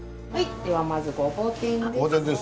ではまず「ごぼ天」です。